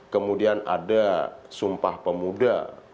kemudian ada sumpah pemuda